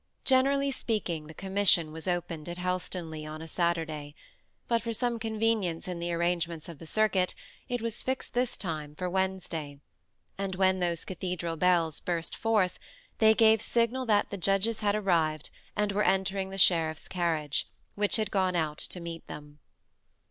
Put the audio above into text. Generally speaking, the commission was opened at Helstonleigh on a Saturday; but for some convenience in the arrangements of the circuit, it was fixed this time for Wednesday; and when those cathedral bells burst forth, they gave signal that the judges had arrived and were entering the sheriff's carriage, which had gone out to meet them.